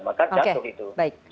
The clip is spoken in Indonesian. maka jatuh itu